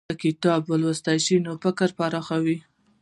که کتاب ولوستل شي، نو فکر به پراخ شي.